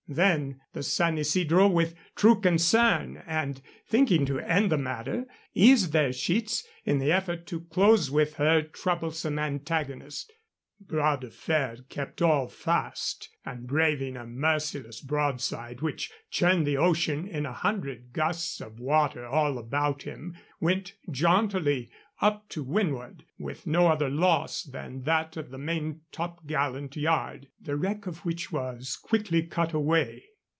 Then the San Isidro, with true concern, and thinking to end the matter, eased her sheets in the effort to close with her troublesome antagonist. Bras de Fer kept all fast, and, braving a merciless broadside which churned the ocean in a hundred gusts of water all about him, went jauntily up to windward with no other loss than that of the main top gallant yard, the wreck of which was quickly cut away.